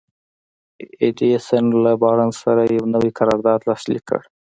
ايډېسن له بارنس سره يو نوی قرارداد لاسليک کړ.